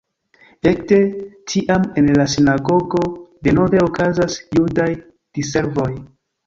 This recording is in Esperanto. Ekde tiam en la sinagogo denove okazas judaj diservoj.